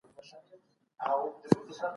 په فيوډالي نظام کي پهلواني ښوونه وه.